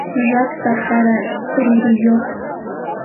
rakta qara ruruyuq